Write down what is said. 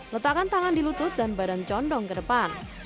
letakkan tangan di lutut dan badan condong ke depan